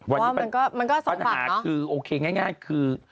วันนี้ปัญหาคือโอเคง่ายคือ